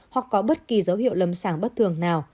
hoặc có bất kỳ dấu hiệu lâm sàng bất thường nào